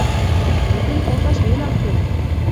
Лӱдӹн колташ вел ак кел...